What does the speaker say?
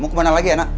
mau kemana lagi anak